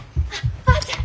おばあちゃん！